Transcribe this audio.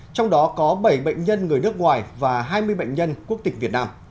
trong đó có bảy bệnh nhân người nước ngoài và hai mươi bệnh nhân quốc tịch việt nam